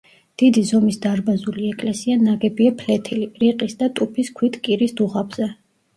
დიდი ზომის დარბაზული ეკლესია ნაგებია ფლეთილი, რიყის და ტუფის ქვით კირის დუღაბზე.